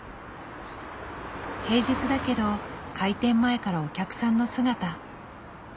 平日だけど開店前からお客さんの姿。